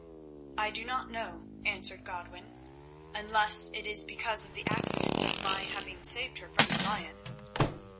"I do not know," answered Godwin, "unless it is because of the accident of my having saved her from the lion."